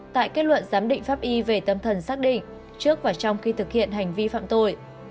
tại kết luận giám định pháp y về tâm thần xác định trước và trong khi thực hiện hành vi phạm tội